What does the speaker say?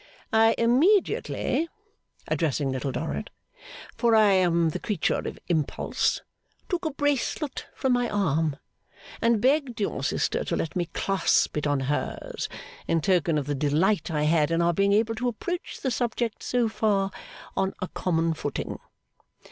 I immediately,' addressing Little Dorrit, '(for I am the creature of impulse), took a bracelet from my arm, and begged your sister to let me clasp it on hers, in token of the delight I had in our being able to approach the subject so far on a common footing.